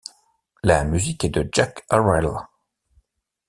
La musique est de Jack Arel.